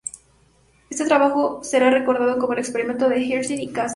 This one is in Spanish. Este trabajo será recordado como el experimento de Hershey y Chase.